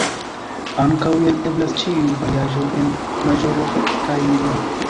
Ankaŭ jen eblas ĉiuj variaĵoj en maĵoro kaj minoro.